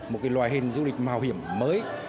một loài hình du lịch mạo hiểm mới